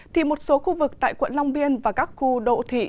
thì một số khu vực tại quận long biên và các khu độ thị